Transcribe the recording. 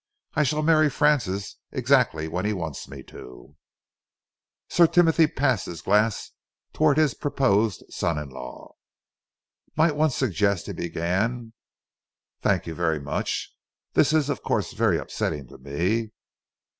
I shall marry Francis exactly when he wants me to." Sir Timothy passed his glass towards his proposed son in law. "Might one suggest," he began "thank you very much. This is of course very upsetting to me.